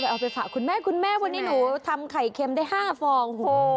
เอาไปหฝะคุณแม่แค่ในนี้หนูทำไข่เค็มได้๕ฟอง